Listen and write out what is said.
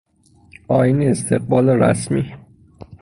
آیین استقبال رسمی